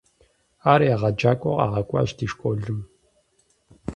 Ар егъэджакӏуэу къагъэкӏуащ ди школым.